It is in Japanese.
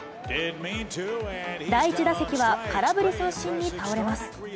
第１打席は空振り三振に倒れます。